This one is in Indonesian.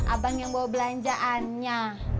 abang yang bawa belanjaannya